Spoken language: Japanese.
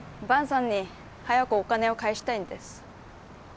萬さんに早くお金を返したいんです。